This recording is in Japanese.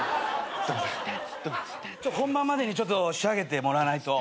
本番までにちょっと仕上げてもらわないと。